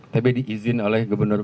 tapi diizin oleh gubernur